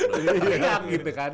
teriak gitu kan